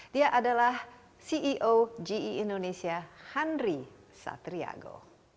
dia adalah ceo ge indonesia henry satriago